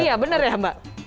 iya bener ya mbak